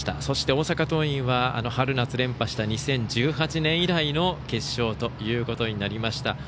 そして、大阪桐蔭は春夏連覇した２０１８年以来の決勝ということになりました。